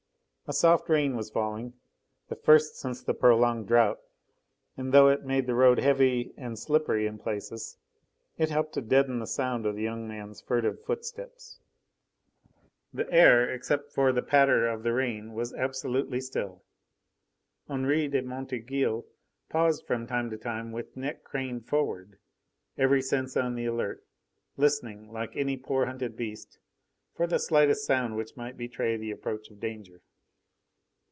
A soft rain was falling, the first since the prolonged drought, and though it made the road heavy and slippery in places, it helped to deaden the sound of the young man's furtive footsteps. The air, except for the patter of the rain, was absolutely still. Henri de Montorgueil paused from time to time, with neck craned forward, every sense on the alert, listening, like any poor, hunted beast, for the slightest sound which might betray the approach of danger.